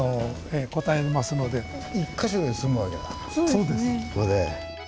そうです。